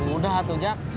udah atuh jack